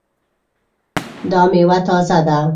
دا میوه تازه ده؟